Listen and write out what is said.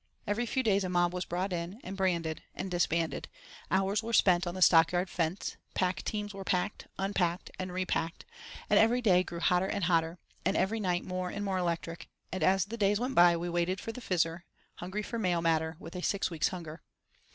Every few days a mob was brought in, and branded, and disbanded, hours were spent on the stockyard fence; pack teams were packed, unpacked, and repacked; and every day grew hotter and hotter, and every night more and more electric, and as the days went by we waited for the Fizzer, hungry for mail matter, with a six weeks' hunger.